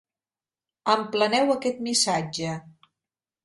Empleneu aquest missatge.